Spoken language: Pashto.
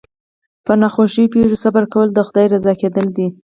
په ناخوښو پېښو صبر کول د خدای رضا کېدل دي.